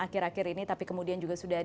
akhir akhir ini tapi kemudian